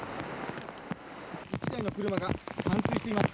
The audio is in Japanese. １台の車が冠水しています。